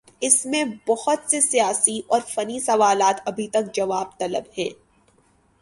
اس میں بہت سے سیاسی اور فنی سوالات ابھی تک جواب طلب ہیں۔